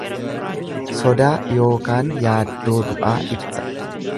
Sodaa ykn yaaddoo du'aa ibsa.